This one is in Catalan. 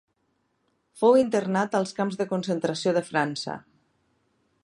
Fou internat als camps de concentració de França.